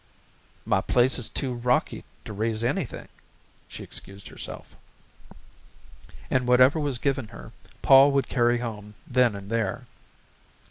"My place is too rocky to raise anything," she excused herself. And whatever was given her, Pol would carry home then and there.